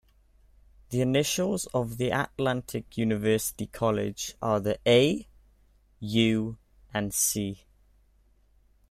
The initials of the Atlantic University College are the "A", "U" and "C".